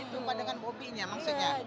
jumpa dengan bobinya maksudnya